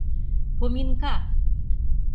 Поминка!